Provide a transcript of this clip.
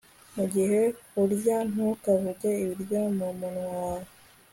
Mugihe urya ntukavuge ibiryo mumunwa wawe